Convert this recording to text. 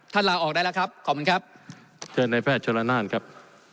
ท่านลาออกได้แล้วครับขอบคุณครับเจอในแพทย์ชนานต่อครับ